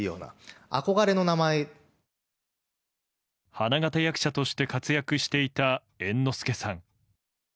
花形役者として活躍していた猿之助さん。